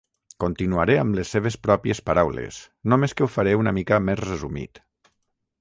Continuaré amb les seves pròpies paraules, només que ho faré una mica més resumit.